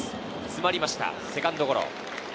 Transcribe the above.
詰まりました、セカンドゴロ。